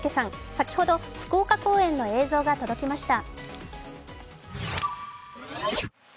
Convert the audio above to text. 先ほど福岡公演の映像が届きました。